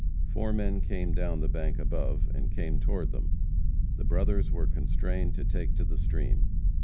Four men came down the bank above, and came toward them. The brothers were constrained to take to the stream.